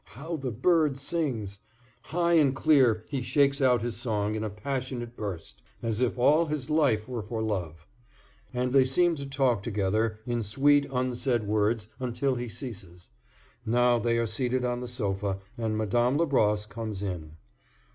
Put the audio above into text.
How the bird sings! High and clear he shakes out his song in a passionate burst, as if all his life were for love. And they seem to talk together in sweet unsaid words until he ceases. Now they are seated on the sofa, and Madame Labrosse comes in.